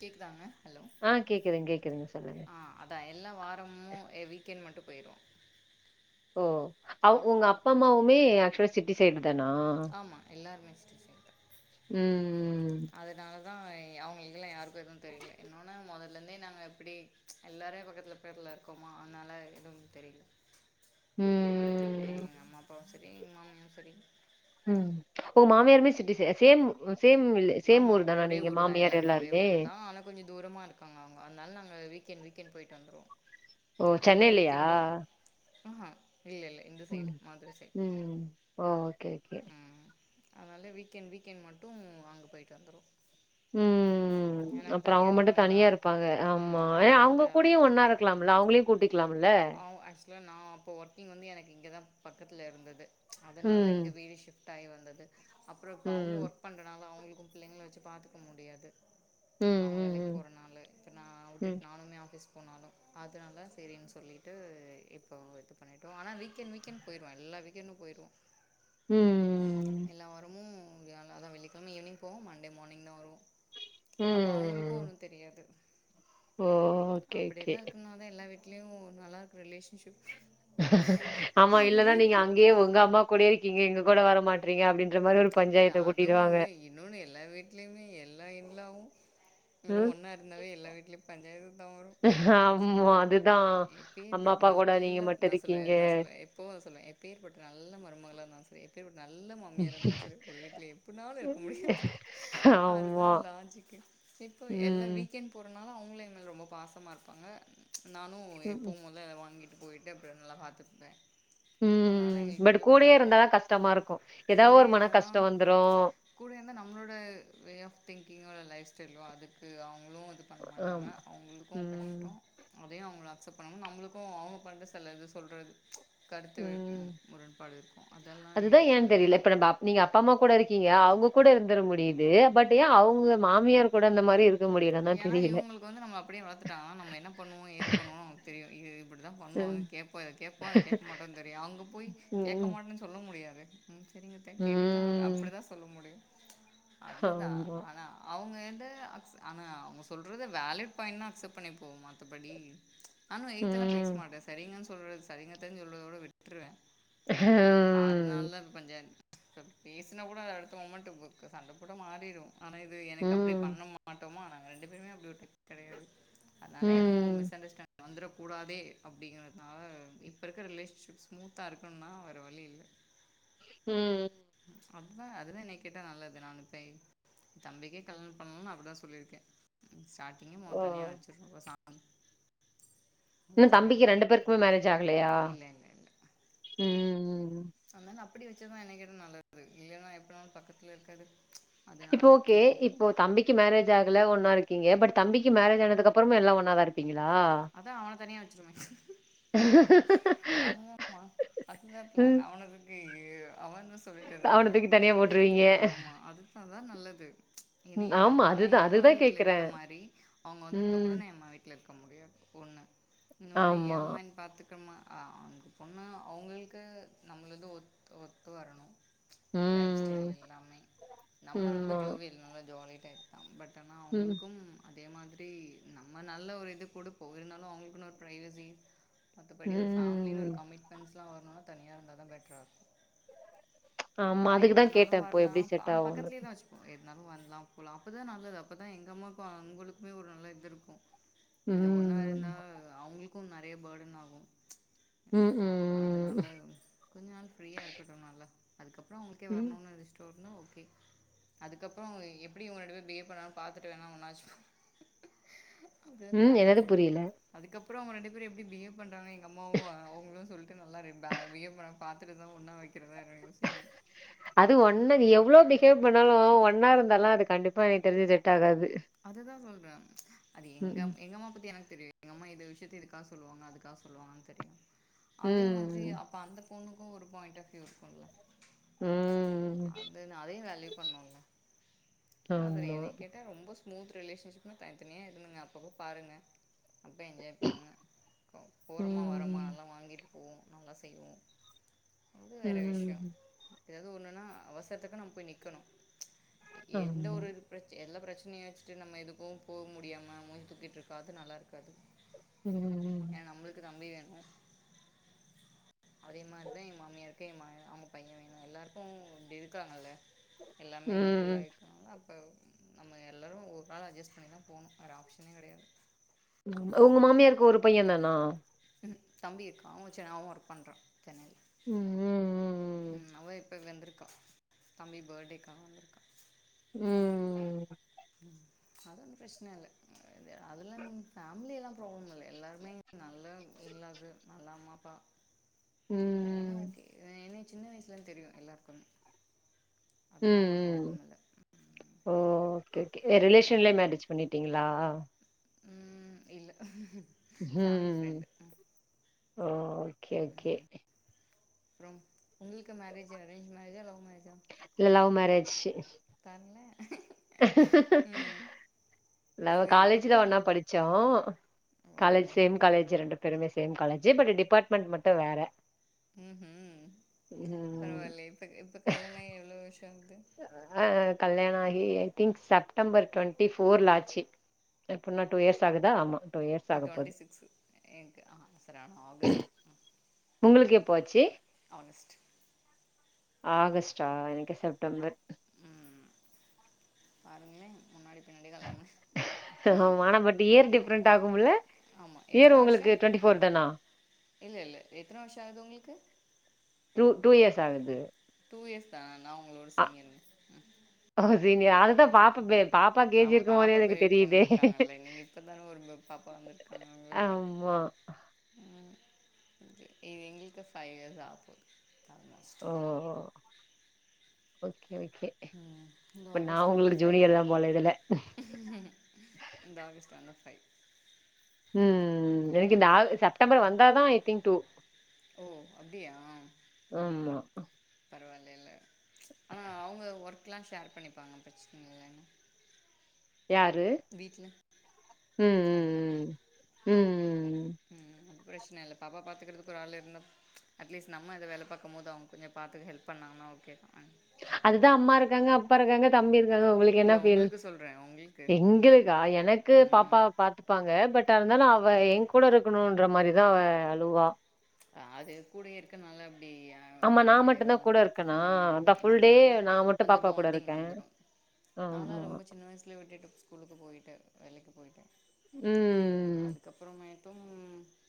கேக்குதாங்க ஹலோ ஆ கேக்குதுங் கேக்குதுங் சொல்லுங்க ஆ அத்தா எல்லா வாரமு எ வீக்கெண்ட் மட்டு போய்ருவோ ஓ அவுங் உங்க அப்பா அம்மாவுமே ஆக்சுவ்லா சிட்டி சைடுதானா ஆமா எல்லாருமே சிட்டி சைடுதா ம் அதுனாலதா அவ்ங்களுக்கல்லா யாருக்கு எதுவு தெரில இன்னோனு மொதல் நிலனே நாங்க இப்டி எல்லோரு பக்கத்துல பக்கத்துல இருக்கோமா அனால எது தெரில எங்க ம் அம்மா அப்பாவும் செரி எங்க மாமியு செரி ம் ஒ மாமியாருமே சிட்டி சே சேம் சேம் இல்லு ஆமா ஒரே ஊருதா எல்லாருமே ஒரே ஊருதா ஆன கொஞ்சோ தூரமா இருக்காங்க அவுங்க அதனால நாங்க வீக்கெண்ட் வீக்கெண்ட் போய்ட்டு வந்துருவோ ஓ எல்லா சென்னைலயா வீக்கெண்டு ஆஹா இல்லல்ல இந்த ம் சைடு மாதுர சைடு ம் ஓ ஓகே ஓகே ம் அதனால் வீக்கெண்ட் வீக்கெண்ட் மட்டு அங்க போய்ட்டு வந்துருவோ ம் அப்பறோ அவ மட்டு தனியா இருப்பாங்க ஆமா ம் ஏ அதனால அவுங்க கூடயு ஒன்னா இருக்கலாம்ல அவுங்களையு கூட்டிக்கலாம்ல இல்ல நா அப்போ ஒர்க்கிங் வந்து எனக்கு இங்கதா பக்கத்துல இருந்தது அதனால ம் இங்க வீட்டு டாய் வந்தது அப்பறோ இப்ப அவுங்களு ம் ஒர்க் பண்றனால அவுங்களுக்கு பிள்ளைங்கள வெச்சு பாத்துக்க முடியாது ம் அவுங்க வேலைக் ம் போறனால இப்ப நா ம் உட்டுட் நானுமே ஆஃபீஸ் போனாலு அதனால செரின் சொல்லிட்டு இப்போ இது பண்ணிட்டோ ஆனா வீக்கெண்ட் வீக்கெண்ட் போய்ருவோ எல்லா வீக்கெண்டு போய்ருவோ ம் ம் எல்லா வாரமு வியா அதா வெள்ளிக்கழம ஈவினிங் எப்போவு மண்டே மார்னிங்தா வருவோ அப்போ ம் அவுங்களுக்கு ம் ஒன்னு தெரியாது ஓ ஓகே ஓகே அப்படியல்லா இருக்குனாதா எல்லா வீட்லியு நல்லாருக்கு ரிலேஷன்ஷிப் ஆமா இல்லனா அங்கேயே நீங்க இருக்குது அங்கயே உங்க அம்மாகூடயே இருக்கீங்க எங்ககூட வரமாட் றீங்க அப்டின்ற மாரி ஒரு பஞ்சாயத்த கூட்டிடுவாங்க இன்னொன்னு எல்லா வீட்லயுமே எல்லா இவ்ளோவும் எங்களும் ம் ஒன்னா இருந்தாவே எல்லா வீட்லியும் பஞ்சாயத்து தான் வரும் எனக்கு தெரிஞ்சு ஓ அதுதான் எப்பேர்ப்பட்ட நல்ல நா சொல்வே நா சொல்வே எப்போவு அத சொல்வே எப்பேர்ப்பட்ட நல்ல மருமகளா இருந்தாலு சரி எப்பேற்பட்ட நல்ல மாமியாரா இருந்தாலு சரி ஒரு வீட்ல எப்பனாலும் இருக்க முடியாது ஆமா அதுதான் லாஜிக்கு இப்போ எல்லாம் ம் வீக்கெண்ட் ஒரு நாள் அவங்களு என் மேல ரொம்ப பாசமா இருப்பாங்க நானும் ம் எப்பவும் போல வாங்கிட்டு போயிட்டு அப்புறம் நல்லா பார்த்துப்பேன் சோ அதுனால ம் எங்களுக்கு பட் எந்த ப்ரா கூடயே இருந்தாதா கஷ்டமா இருக்கு ஏதாவது ஒரு கூடயே மன இருன்தா தா கஷ்டோ வந்துரு கூட இந்தா நம்மளோட வே ஆஃப் திங்கிங்கோட லைஃப் ஸ்டைல் வா அதுக்கு அவங்களும் அது பண்ண மாட்டாங்க ஆமா அவங்களுக்கும் ம் கஷ்டோம் அதயும் அவங்கல அக்செப்ட் பண்ணும் நம்மளுக்கும் அவுங்க பண்ற செலது சொல்றது கருத்து வேர் ம் முரண்பாடு இருக்கும் அதெல்லாம் அதுதான் ஏன்னு எதுக்கு தெரியல. இப்ப நம்ப அப் நீங்க அப்பா அம்மா கூட இருக்கீங்க அவுங்க கூட இருந்துற முடியுது பட் ஏன் அவுங்க மாமியார் கூட அந்த மாதிரி இருக்க முடியலன்னு தான் யான் தெரியல. இவுங்களுக்கு வந்து நம்ம அப்டியே வளத்துட்டா நம்ம என்ன பண்ணுவோம் எது பண்ணுவோம் அவுங்களுக்கு‌ தெரியும் இது இப்படிதான் பண்ணுவாங்க ம். கேட்பா அத கேட்பா அதை கேட்க மாட்டானு தெரியும் அங்க போய் ம். கேட்கமாட்டேன்னு சொல்ல முடியாது ம் சரிங்க அத்த கேட்டு தா ம். அப்டி தா சொல்ல முடியும் அது தா ஆமா. ஆனா அவுங்க எத அக்சப் ஆனா அவுங்க சொல்றத வேலிட் பாயிண்ட்னா அக்செப்ட் பண்ணி போம் மத்தபடி நானும் எயித்தல்லாம் பேச ம். மாட்டேன் சரிங்கன்னு சொல்ற சரிங்கத்தன்னு சொல்றதோட விட்டுருவேன் அதனால ம். தா பஞ்சாயத் சோ பேஸ்னா கூட அடுத்த மொமெண்ட் சண்டபோட மாறிடும் ஆனா இது எனக்கு அப்படி ம். பண்ண ட்டோமா நாங்க ரெண்டு பேருமே அப்டி ஒருத்தர் கெடையாது அதுனால எதுவும் ம். மிஸ் அண்டர்ஸ்டாண்ங் வந்துர கூடாதே அப்டிங்கறதுனால இப்ப இருக்கற ரிலேஷன்ஷிப் ஸ்மூத்தா இருக்கணுன்னா வேற வழி இல்ல ம் அப்பா அதுலா என்னைய கேட்டா நல்லது நான் இப்ப தம்பிக்கே கல்யாணம் பண்ணலும் அப்படிான் சொன் சொல்லிருக்கேன் ஸ்டார்டிங்கும் ஓ! போன் தனியா வச்சிருக்கப்ப சாமி இன்னு தம்பிக்கு சொல்லிட்டேன் ரெண்டு பேருக்குமே மேரேஜ் ஆகலையா இல்லை இல்லை இல்லை ம் ம் ம் ம் அதனால அப்டி வச்சது என்ன கேட்டா நல்லது இல்லன்னா எப்பனாலும் பக்கத்துல இருக்காரு இப்ப ஓகே இப் இப்போ தம்பிக்கு மேரேஜ் ஆகல ஒன்னா இருக்கீங்க பட் தம்பிக்கு மேரேஜ் ஆனதுக்கு அப்பறமும் எல்லா ஒன்னா தா இருப்பீங்களா அதான் அவன தனியா வச்சிருவேமே அந்தா அதுதான் பிளான் ம். அவன தூக்கி அவன் சொல் சொல்லிட்ட நானு அவன தூக்கி தனியா போட்டுருவீங்க. ஆமா அதுதாதான் நல்லது ஏன்னா ம். இப்ப ஆமா. நா அதுதான், என் அம்மா அதுதான் வீட்ல கேட்கிறேன். இருக்க மாரி அவுங்க ம். வந்ததுக்கப்புறம் நா என் அம்மா வீட்ல இருக்க முடியாது ஒண்ணு இன்னொன்னு ஏ ஆமா. அம்மா பாத்துக்கமா அந்த பொண்ணு அவங்களுக்கு நம்மளக்கு ஒத் ஒத்து வரணும் லைஃப் ஸ்டைல் ம். எல்லாமே நம்ம ரொம்ப ஆமா. ஜோவியல் நல்லா ஜாலி டைப் பட் ஆனா ம். அவங்களுக்கும் அதே மாத்ரி நம்ம நல்ல ஒரு இது குடு போயிருந்தாலும் அவுங்களுக்குன்னு ஒரு ப்ரைவசி மத்தபடி ஒரு ஃபேமிலின்னு ஒரு ம். கமிட் ஃபிரன்ஸ்லா வரணூனா தனியா இருந்தா தா பெட்ரா இருக்கும் ஆமா. ஆனா அதுக்கு தான் எப்பனாலும் கேட்டேன். இப்போ எப்படி வர்லாம் செட் ஆனா ஆகும்ன்னு. பக்கத்லேயே தான் வச்சு எத்னாலும் வர்லாம் போலாம் அப்போ தான் நல்லது அப்போ தான் எங்க அம்மா அப்பா அவுங்களுக்குமே ஒரு நல்ல இது ருக்கும் இல்ல ஒன்னா ம். இருந்தா அவுங்களுக்கு நெறைய பேர்டன் ஆகும் ம் ம் அதனால கொஞ்ச நாள் ஃப்ரீயா இருக்கட்டு நால அதுக்கப்றொ அவொங்கள்கே ம். வரணூனு இருச் டொர்ணா ஓகே அதுக்கப்பறோ எப்டி இவங்க ரெண்டு பேரு பிஹேவ் பண்ராங்க பாத்துட்டு வேணா ஒண்ணாச்சு ம். ப்ளான்ல என்னது இருக்கு புரியல? அதுக்கப்பறோ அவங்க ரெண்டு பேர் எப்டி பிஹேவ் பண்றாங்க எங்க அம்மாவு அ அவங்களு சொல்ட்டு நல்லா இரு பே பிஹேவ் பண்ண பாத்துட்டுதா ஒன்னா வைக்க க்கிறதா என்னன் யோசிக்கணு அது ஒன்னா நீ எவ்ளோ பிஹைவ் பண்ணாலு ஒன்னா இருந்தால அது கண்டிப்பா எனக் தெரிஞ்சி செட் ஆகாது அதுதா சொல்றே அது எங்க ம். எங்கம்மா பத்தி எனக்கு தெரியு எங்கம்மா இந்த விஷயத்த இதுக்காக சொல்லுவாங்க அதுக்காக சொல்லுவாங்கன்னு தெரியு அதே மாதிரி ம். அப்ப அந்தப் பொண்ணுக்கு ஒரு பாயிண்ட் ஆஃப் யூ இருக்குல ம் அதுனு அதையு வேல்யூ பண்ணூல நா செரி ஆமா. என்னய கேட்டா ரொம்ப ஸ்மூத் ரிலேஷன்ஷிப்னா தனித்தனியா இர்ந்துக அப்பப்போ பாருங்க அப்ப என்ஜாய் பண்ணுங்க போறமா வரம் மா ம். நல்லா வாங்கிட்டு போவோ நல்லா செய்வோ அது வேற விஷ்யோ ம். ஏதாவ்து ஒன்னுன்னா அவசரத்துக்கு நம்ப போய் நிக்கணு ப்ச் எந்த ஆமா. ஒரு பிரச் எல்லா பிரச்சனையு வச்சுட்டு நம்ம எதுக்கு போ முடியாம மூஞ்ச தூக்கிட்டு இருக்கா அது நல்லா இருக்காது ம் ஏ நம்புளுக்கு தம்பி வேணு [inaudible] அதே மாரிதா எ மாமியாருக்கு எ ம அவுங்க பைய வேணு எல்லார்க்கு அப்டி இருக்காங்கல்ல ம். எல்லாமே மிங்கிள் ம். ஆய் எல்லா அப்ப நம்ம எல்லாரு ஒரு நாள் அட்ஜஸ்ட் பண்ணி தா போனூ வேற ஆப்ஷனே கடையாது உங்க மாமியாருக்கு ஒரு பைய தானா தம்பி இருக்கா அவ சென் அவ ஒர்க் பண்றா சென்னைல ம் ம் அவ இப்ப வெந்திருக்கா தம்பி பேடேக்காக வந்திருக்கா ம் அது ஒன்னு பிரச்சன இல்ல அதல்லா ஃபேமிலி எல்லா ப்ராப்ள இல்ல எல்லாருமே நல்லா பில்லது நல்ல அம்மாப்பா ம் அதுனா ஓகே என்னைய சின்ன வயச்லேந்து தெரியு எல்லார்குமே ம் ம் இல்லை ஓ ஓகே ஓகே ரிலேஷன்லே மேரேஜ் பண்ணி டீங்ளா ம் இல்ல ஃபேம்லி ம் ஃப்ரெண்டு ஓ ஓகே ஓகே அப்றம் உங்களுக்கு மேரேஜ் அரேஞ் மேர்ஜா லவ் மேர்ஜா இல்ல லவ் மேரேஜி தன்ல ம் லவ் செரி காலேஜ்ல எப்ப ஒன்னா படிச்சோ ஓ காலேஜ் சேம் காலேஜ் ரெண்டு பேருமே சேம் காலேஜ பட் டிபார்ட்மெண்ட் மட்டு வேற ம் ம் ம் பரவால்லையே இப்ப இப்ப கல்யாண ஆகி எவ்ளோ வருஷ ஆகுது ஆ ஆ கல்யாண ஆகி ஐ திங்க் செப்டம்பர் டுவெண்ட்டி ஃபோர்ல ஆச்சி எப்புனா டூ இயர்ஸ் ஆகுதா ஆமா இயர்ஸ் ஆக போது டுவெண்டி சிக்ஸ் எனக்கு சரி ஆகஸ்டு உங்கள்க்கு எப்போ ஆச்சி ஆகஸ்ட் ஆகஸ்ட்டா எனக்கு செப்டம்பர் ம் பாருங்களே முன்னாடி பின்னாடி கலாம ஆமா ஆனா பட் ஏர் டிஃப்ரெண்ட் ஆகும்ல ஆமா ஏர் உங்களுக்கு டுவெண்ட்டி ஃபோர் தானா இல் இல்லை எத்தன வருஷம் ஆகுது உங்களுக்கு டூ டூ இயர்ஸ் ஆகுது டூ இயர்ஸ் தான நா உங்களோட அ சீனியர் ஓ சீனியர் அதுதா பாப்பா பெ பாப்பா கேஜி ஆமா இருக்கும்போதே பாப்பா எனக்கு பெரிய பொண்ணு தெரியுதே இருக்காங்கல்ல நீங்க இப்பதான ஒரு ப பாப்பா வந்திருக்காங்க ஒங்கள்க்கு ஆமா ம் ஓகே எங்களுக்கு ஃபைவ் ஏர்ஸ் ஆவப்போது செவென் மாஸ் ஓ ஓ ஓகே ஓகே ம் இந்த அப்ப நா ஆகஸ்ட் வந்தா உங்கள்க்கு ஃபைவ் ஜூனியர் தா போல இதுல இந்த ஆகஸ்ட் வந்தா ஃபைவ் ம் எனக்கு இந்த செப்டம்பர் வந்த தான் ஐ திங்க் டூ ஓ அப்படியா ஆமா பரவாயில்லைல ஆனா அவொங்க ஒர்க்லா ஷேர் பண்ணிப்பாங்க பிரச்சன இல்லங்க யாரு வீட்ல ம் ஹஸ்பண்ட் ம் ம் ம் ம் பிரச்சன இல்லை பாப்பா பாத்துக்கிறதுக்கு ஒரு ஆள் இருந்தா அட்லீஸ் நம்ம இத வேல பாக்கும் போது அவங்க கொஞ்சம் பாத்து ஹெல்ப் பண்ணாங்கா ஒகேதா அ அதுதா அம்மா இருக்காங்க அப்பா இருக்காங்க தம்பி இருக்காங்க உங்கள்க்கு என்ன இல்ல ஃபீல் உங்களுக்கு சொல்றே உங்களுக்கு எங்கள் கா எனக்கு ம் பாப்பாவ பாத்துப்பாங்க பட் இருந்தாலு அவ என் கூட இருக்கணூன்ற மாரிதா அவ அழுவா ஆது கூடைய இருக்கனால அப்டி ஆமா அப்டி நான் மட்டும்தான் ஆயிருவாங்க கூட இருக்கேனா ம் அதான் ஃபுல் டே அதனால நான் மட்டும் அந்த பாப்பா கூட பாண்டிங் இருக்கேன் வந்துரு நானா ஆமா ரொம்ப சின்ன வயசுல விட்டுட்டு ஸ்கூலுக்கு போயிட்டே வேலைக்கு போய்டேன் ம் அதுக்கப்புறமேட்டும்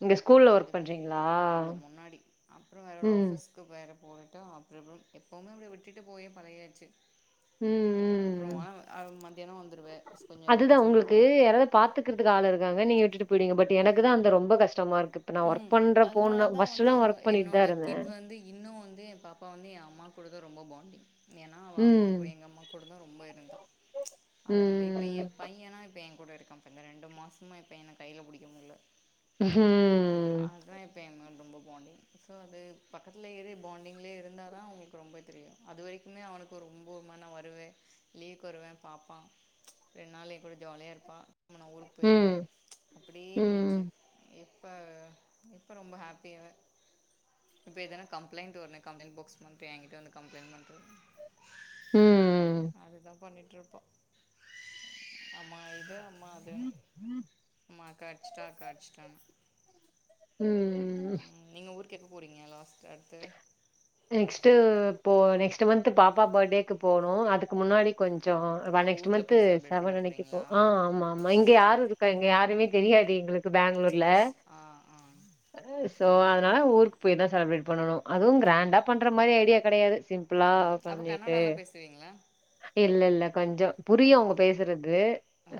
நீங்க ஸ்கூல்ல அது ஒர்க் பண்றீங்களா உள்ள முன்னாடி அப்றொ வேற ஒரு ம் ஆஃபீஸ் க்கு வேற போகட்டு அப்புறப் எப்பவுமே அப்டி விட்டுட்டு போயே பழகியாச்சு ம் அ அப்புறம் ம் ஆனா மத்தியானம் வந்துருவே கொஞ்சம் ரொம்ப சின்ன பிள்ளைய பாத்துக்கறதுக்கு ஆல் இருக்காங்க நீங்க விட்டுட்டு போயடீங்க பட் எனக்கு தா அந்த ரொம்ப கஷ்டமா இருக்கு இப்ப நான் ஒர்க் ம் பண்ற போன அதனாலதா வந்து ஃபர்ஸ்ட்லாம் என் ஒர்க் பண்ணிட்டு தான் என்னோட இருந்தேன் கிட் வந்து இன்னும் வந்து என் பாப்பா வந்து என் அம்மா கூட தா ரொம்ப பாண்டிங் ஏன்னா அவள் அம்மா ம் கூட எங்க அம்மா கொடுந்தா ரொம்ப இருந்தா அதனால இப்ப என் ம் பையனா இப்ப என் கூட இருக்கான் இப்ப ரெண்டு மாசமா இப்ப என்ன கைல புடிக்க முடில ம் அதான் இப்ப என் மேல ரொம்ப பாண்டிங் சோ அது பக்கத்துலே இரு பாண்டிங்லே இருந்தா தா அவங்களுக் ரொம்ப தெரியு அது வரைக்குமே அவனுக்கு ஒரு ரொம்பமே வருவேன் லீவுக்கு வருவேன் பாப்பான் ரெண்டு நாள் என் கூட ஜாலியா இருப்பா ம நா ஊர்க்கு போயிருவே ம் அப்டியே போச்சு ம் எப் இப்ப இப்போ ரொம்ப ஹாப்பியாவே இப்போ எதன கம்ளைண்ட்ன்‌ ஒன்னே கம்ப்ளைண்ட்பாக்ஸ் பண்ட்டு என்கிட்ட வந்து கம்ப்ளைண்ட் பண்டு அதுதா பண்ணிட்டு ருப்பா அம்மா இது அம் அதுன் ம் அம்மாக்கா அடிச்சிட்ட அக்கா அடிச்சிட்டான்னு ம் நீங்க ஊருக்கு எப்போ போறீங்க லாஸ்ட் அடுத்து நெக்ஸ்ட்டு போ நெக்ஸ்ட்டூ மந்த் பாப்பா பர்டேக்கு போணு அதுக்கு முன்னாடி கொஞ்சோ வர ஓ நெக்ஸ்ட் ஊர்ல மந்த் போய் செலப்ரேட் பண்ண செவன் அன்னைக்கு போ போறீங்களா ஆமா ஆமா இங்க சரி யாரு இருக் க்கா இங்க யாருமே தெரியாது எங்ளுக் பெங்களூர்ல ஆ ஆ சோ கஷ்டம்தா அதனால ஊருக்கு போய் தா செலப்ரேட் பண்ணனு அதுவு ம் கிராண்டா பண்ற மாரி ஐடியா கிடையாது சிம்ப்ளா ம் அப்போ பண்ணிட்டு கன்னடாலா பேசுவீங்களா இல்லல்ல கொஞ்சோ புரியு அவுங்க பேசறது ஆ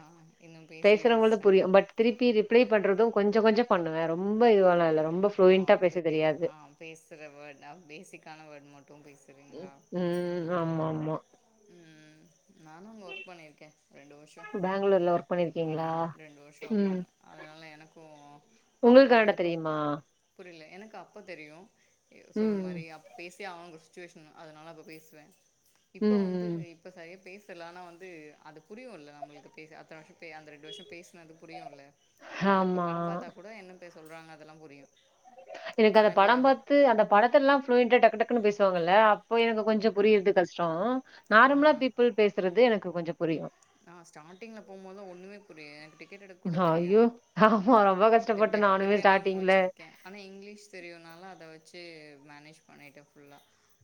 இன்னும் பேசி பேசுறவங்கள்து ஸ்டார்ட் புரியு பட் திருப்பி ரிப்ளை பண்றது கொஞ்ச கொஞ்சம் பண்ணுவே ரொம்ப இதுவாளா ரொம்ப ப்ளூயன்டா பேச தெரியாது பேசுற வேர்ட் பேசிக்கான வேர்ட் மட்டு பேஸ் ப் ம் ஆமா ஆமா ம் நானு அங்க ஒர்க் பண்ணிருகே ரெண்டு வர்ஷோ பேங்களூர்ல ஒர்க் பண்ணிருக்கீங்களா ஆமா ரெண்டு வர்ஷோ ஒர்க் பண்ண அதனால எனக்கு அப்ப உங்ளுக்கு கன்னடா இருந்தப்ப தெரியுமா புரியல எனக்கு அப்ப தெரியு சொல்ற ம் மாரி அப்ப பேஸ் அவங்க ஒரு சுச்சுவேஷன் அதனால அப்ப பேசுவே இப்ப ம் வந்து ம் இப்ப சரிய பேசலனா வந்து அது புரியும்ல நம்மளுக்கு பேச அத்தன வர்ஷோ அந்த ரெண்டு வர்ஷோ பே பேஸ்னது புரியுல்ல அதனால இப்ப ஆமா படம் பாத்தா கூட என்ன பேர் சொல்றாங்க அதெல்லா புரியு எனக்கு ஆனா அந்த இப்ப படம் பாத் து அந்த படத்தல்லா ஃபிளுயண்டா டக்கு டக்குன்னு பேசுவாங்கல்ல அப்ப எனக்கு கொஞ்ச புரியர்து கஷ்டோ ஆ நார்மலா பீப்புள் பேசுறது எனக்கு கொஞ்ச புரியு நா ஸ்டார்டிங்ல போம்போது ஒண்ணுமே புரியாது எனக்கு டிக்கெட் எடுக்க கூட ஐயோ தெரியாது ஆமா ரொம்ப கஷ்டப்பட்டே பெக்க நானுமே பெக்க்லா ஸ்டார்டிங்ல முழுச்சிருக்கே ஆனா இங்கிலீஷ் தெரியுனால அத வெச்சு மேனேஜ் பண்ணிட்டேன் ஃபுல்லா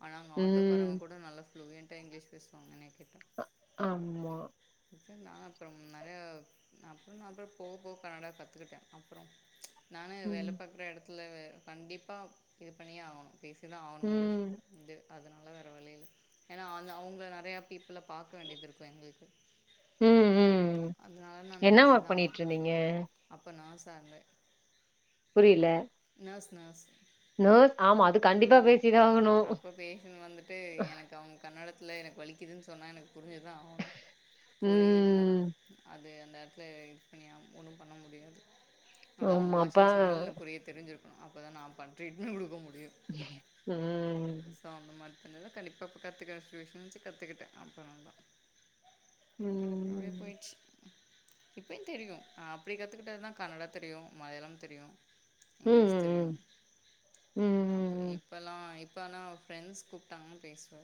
ஆனா அங்க ஆட்டோக் ம் காரவங்க கூட நல்லா ஃப்ளூயண்டா இங்கிலீஷ் பேசுவாங்க என்னய கேட்டா ஆம்மா [unintelligible] அப்பறம் நெறையா நா அப்றம் நா அப்றம் போக போக கனடா கத்துக்கிட்டே அப்பறம் நானு ம் வேல பாக்குற எடத்துல கண்டிப்பா இது பண்ணியே ஆவுணு பேசி தா ஆவுணுங்கிற ம் இது அதனால வேற வழியில்ல ஏனா அந்த அவங்க நிறையா பீப்புல பாக்க வேண்டியது இருக்கு எங்ளுக்கு ம் ம் நானு என்ன ஒர்க் பேசிதா பண்ணிட் ஆகணு இருந்தீங்க அப்ப நார்சா இருந்தே புரியல நாஃர்ஸ் நாஃர்ஸ் நர்ஸ் ஆமா அது கண்டிப்பா ம் பேசிதா ஆகணு அப்ப பேசன் வந்துட்டு எனக்கு அவ்ங்க கன்னடத்துல எனக்கு வலிக்குதுன் சொன்னா எனக்கு புரிஞ்சுதா ஆவணு புரியலன்னா ம் அது அந்த எடத்துல இது பண்ணியாவனோ ஒன்னும் பண்ண முடியாது அது அவங்க ஆமா பாஷையில அப்ப சொன்னாலு எனக்குரியே தெரிஞ்சிருக்கணு அப்போதா நா பண் ட்ரீட்மென்ட் குடுக்க முடியு ம்ம் ஸோ அந்த மாரி தண்ணில கண்டிப்பா கத்துக்க சுச்சுவேஷன் வந்துச்சி கத்துகிட்டே அப்றநா தா ம் அப்டே போய்ச்சு இப்பையு தெரியு அப்டி கத்துக்கிட்டது தா கன்னடா தெரியு மலையாளம் தெரியு இங்கிலீஷ் தெரியு ம். ம். அப்ப ம். இப்போலா இப்பனா ஃப்ரெண்ட்ஸ் கூப்பிட்டாங்கனா பேசுவ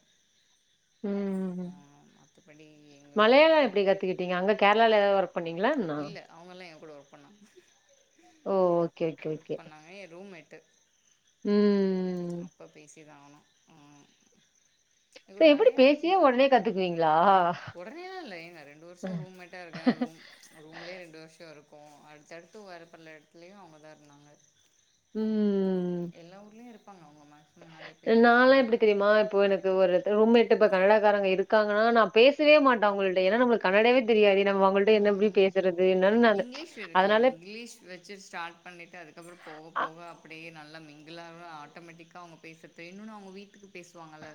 ம் ம் ம் ஆ மத்தபடி மலையாளோ எப்டி கத்துக்கிட்டீங்க அங்கே கேரளால ஏதா ஒர்க் பண்ணிங்களா என்ன இல்ல அவங்கலா எ கூட ஒர்க் பண்ணாங்க ஓ ஓகே ஓகே ஒர்க் ஓகே. பண்ணாங்க ஏ ரூம்மேட்டு ம் அப்போ பேசிதா ஆகனு ம் சரி எப்டி நெறைய இடத்துல பேசியே உடனே கத்துக்குவீங்களா? உடனேலா இல்ல ஏங்க ரெண்டு வருஷோ ரூம் மெட் கரெக்டா இருக்க ரூம் ரூம்லேயே ரெண்டு வருஷோ இருக்கோ அடுத்தடுத்து வேறு பல இடத்துலயு அவங்க தா இருந்தாங்க ம் ம் எல்லா ஊர்லையு இருப்பாங்க அவுங்கள மா நாலா எப்டி தெரியுமா இப்போ எனக்கு ஒரு ரூம் மேட் இப்ப கன்னடக்காரங்க இருக்கங்கன்னா நா பேசவே மாட்டே அவங்கள்ட்ட ஏன்னா நம்மளு கன்னடாவே தெரியாதே நம்ம அவங்கள்ட்ட என்ன ம் எப்டி ம் பேசுறது இருந்தாலு நா அந்த ச் இங்கிலீஷ் இருக்குல்ல அதனால இங்கிலீஷ் வச்சு ஸ்டார்ட் பண்ணிட்டு அதுக்கப்பறோ போக அ போக அப்டியே நல்லா மிங்கலாவா ஆட்டோமேட்டிக்கா அவங்க பேசுற வேணுன் அவங்க வீட்டுக்கு பேசுவாங்கல்ல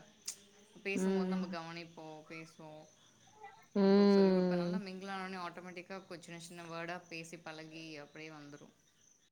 ச் பேசும்போது ம். நம்ம கவனிப்போ பேசுவோ அப்போ சொல்லிக் ம். குடுத்தனால நம்ம இங் நானு ஆட்டோமேட்டிக்கா கொஞ்சோ சின்ன சின்ன வேர்டா பேசி பழகி அப்டியே வந்துரு